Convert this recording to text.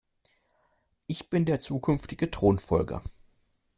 Ich bin der zukünftige Thronfolger.